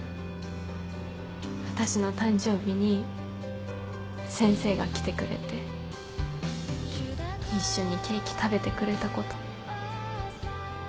私の誕生日に先生が来てくれて一緒にケーキ食べてくれたこと。